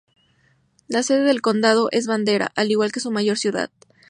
La sede del condado es Bandera, al igual que su mayor ciudad.